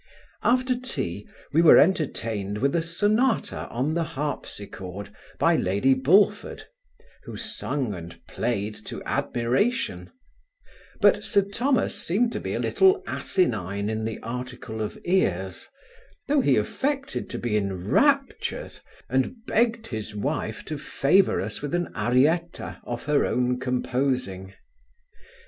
After tea, we were entertained with a sonata on the harpsichord by lady Bullford, who sung and played to admiration; but Sir Thomas seemed to be a little asinine in the article of ears, though he affected to be in raptures, and begged his wife to favour us with an arietta of her own composing.